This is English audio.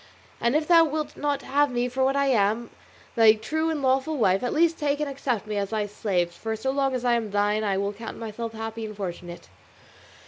And if thou wilt not have me for what I am, thy true and lawful wife, at least take and accept me as thy slave, for so long as I am thine I will count myself happy and fortunate.